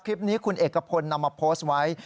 คลิปนี้คุณเอกพลนำมาโพสต์ไว้